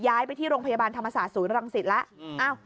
ย้ายไปที่โรงพยาบาลธรรมศาสตร์ศูนย์รังสิตแล้ว